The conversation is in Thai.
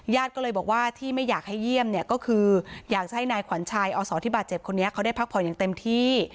ก็เลยบอกว่าที่ไม่อยากให้เยี่ยมเนี่ยก็คืออยากจะให้นายขวัญชัยอศที่บาดเจ็บคนนี้เขาได้พักผ่อนอย่างเต็มที่